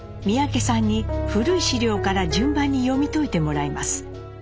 三宅さんに古い史料から順番に読み解いてもらいます。